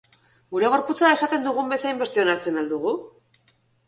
Gure gorputza esaten dugun bezain beste onartzen al dugu?